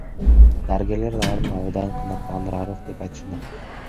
Дарыгерлер алардын абалдарын канааттандыраарлык деп айтышууда.